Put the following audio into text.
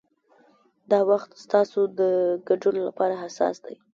دا وخت ستاسو د ګډون لپاره حساس دی.